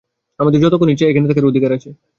আমাদের যতক্ষণ ইচ্ছা, এখানে থাকার অধিকার আছে।